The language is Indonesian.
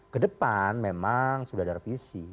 kedepan memang sudah ada revisi